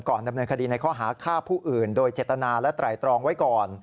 ดำเนินคดีในข้อหาฆ่าผู้อื่นโดยเจตนาและไตรตรองไว้ก่อน